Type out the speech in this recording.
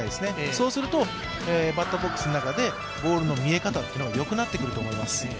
そうするとバッターボックスの中でボールの見え方がよくなってくると思います。